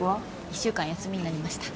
一週間休みになりました